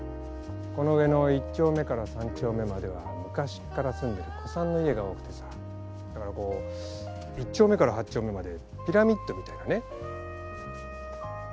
この上の１丁目から３丁目までは昔っから住んでる古参の家が多くてさだからこう１丁目から８丁目までピラミッドみたいなね。